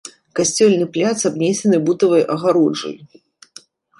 Касцёльны пляц абнесены бутавай агароджай.